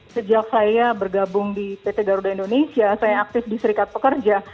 sejak saya bergabung di pt garuda indonesia saya aktif di serikat pekerja